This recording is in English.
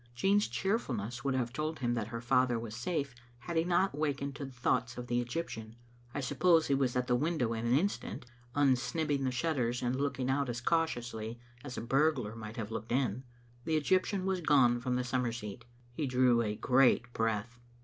Jean's cheerfulness would have told him that her father was safe had he not wakened to thoughts of the Egyptian. I suppose he was at the window in an instant, unsnib* bing the shutters and looking out as cautiously as a burglar might have looked in. The Eg3rptian was gone from the summer seat. He drew a great breath.